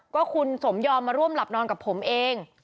ก็คุณสมยอมมาร่วมหลับนอนกับผมเอง